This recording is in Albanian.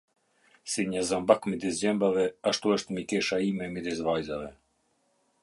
Si një zambak midis gjembave, ashtu është mikesha ime midis vajzave.